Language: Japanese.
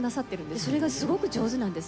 それがすごく上手なんです。